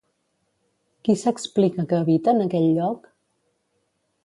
Qui s'explica que habita en aquell lloc?